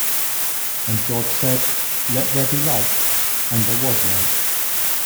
And God said, 'Let there be light,' and there was light.